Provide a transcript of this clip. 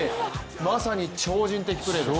まさに超人的プレーです。